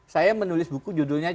saya menulis buku judulnya